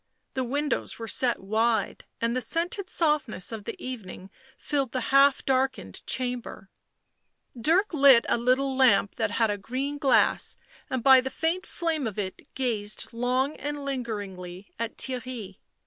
The windows were set wide, and the scented softness of the evening filled the half darkened chamber ; Dirk lit a little lamp that had a green glass, and by the faint flame of it gazed long and lingeringly at Theirry.